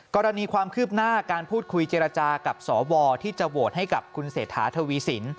กรณีความคืบหน้าการพูดคุยเจรจากับสวที่จะโหวตให้กับคุณเศรษฐาทวีสิน